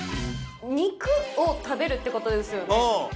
肉を食べるってことですよね。